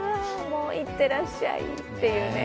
いってらっしゃいっていうね。